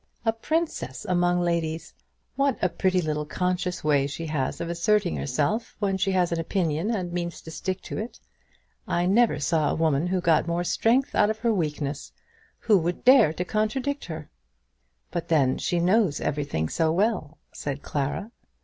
"A princess among ladies! What a pretty little conscious way she has of asserting herself when she has an opinion and means to stick to it! I never saw a woman who got more strength out of her weakness. Who would dare to contradict her?" "But then she knows everything so well," said Clara.